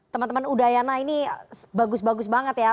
teman teman udayana ini bagus bagus banget ya